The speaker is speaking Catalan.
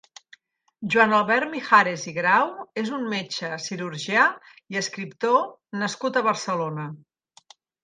Joan Albert Mijares i Grau és un metge, cirurgià, i escriptor nascut a Barcelona.